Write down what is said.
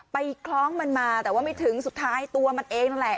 คล้องมันมาแต่ว่าไม่ถึงสุดท้ายตัวมันเองนั่นแหละ